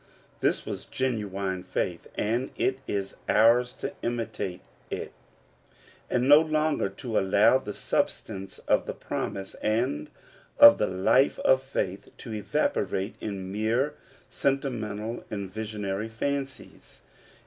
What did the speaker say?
This was genuine faith, and it is ours to imitate it, and no longer to allow the substance of the promise, and of the life of faith, to evaporate in mere sentimental and visionary fancies.